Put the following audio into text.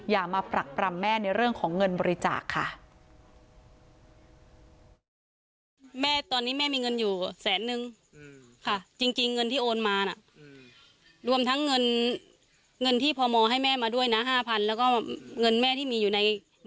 อย่ามาปรักปรำแม่ในเรื่องของเงินบริจาคค่ะ